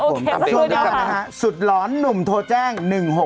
ครับผมตามเบรกนะครับสวัสดีครับสุดร้อนหนุ่มโทรแจ้ง๑๖๖๙